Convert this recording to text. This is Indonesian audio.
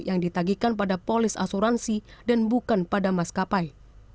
yang ditagihkan pada polis asuransi dan bukan pada mas kapai